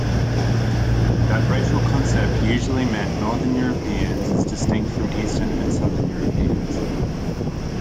That racial concept usually meant northern Europeans as distinct from eastern and southern Europeans.